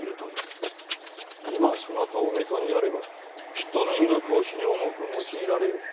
今そなたを水戸にやればきっと民部公子に重く用いられよう。